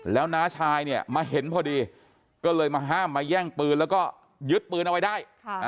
แล้วน้าชายเนี่ยมาเห็นพอดีก็เลยมาห้ามมาแย่งปืนแล้วก็ยึดปืนเอาไว้ได้